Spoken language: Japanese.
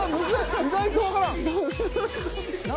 意外とわからん。